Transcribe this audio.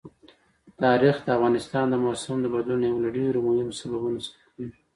تاریخ د افغانستان د موسم د بدلون یو له ډېرو مهمو سببونو څخه کېږي.